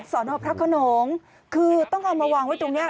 สอนอพระขนงคือต้องเอามาวางไว้ตรงนี้